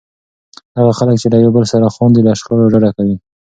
هغه خلک چې له یو بل سره خاندي، له شخړو ډډه کوي.